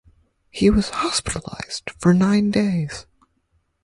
He was hospitalized for nine days.